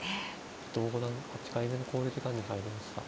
伊藤五段８回目の考慮時間に入りました。